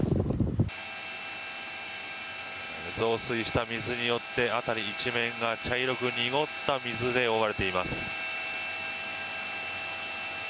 増水した水によって辺り一面が茶色く濁った水で覆われています。